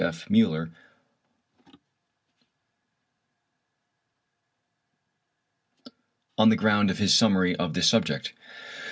F. Müller on the ground of his summary of this subject.